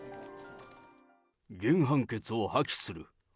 原判決を破棄する。